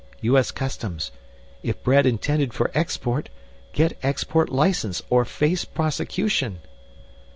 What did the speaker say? U. S. Customs: If bread intended for export, get export license or face prosecution.